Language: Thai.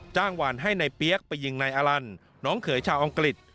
หวานให้นายเปี๊ยกไปยิงนายอลันน้องเขยชาวอังกฤษ